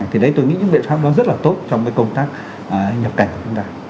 thì đấy tôi nghĩ những viện pháp đó rất là tốt trong công tác nhập cảnh của chúng ta